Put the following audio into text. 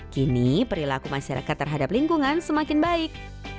kini perilaku masyarakat terhadap lingkungan semakin baik